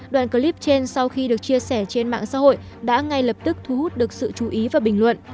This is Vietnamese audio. đoạn clip trên sau khi được chia sẻ trên mạng xã hội đã ngay lập tức thu hút được sự chú ý và bình luận